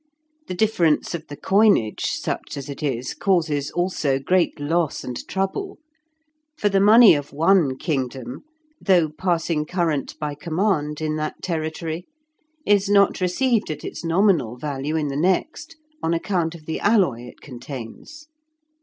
The difference of the coinage, such as it is, causes also great loss and trouble, for the money of one kingdom (though passing current by command in that territory) is not received at its nominal value in the next on account of the alloy it contains.